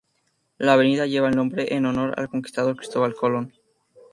La avenida lleva el nombre en honor al conquistador Cristóbal Colón.